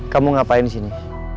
kamu ngapain di sini